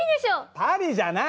パリじゃない！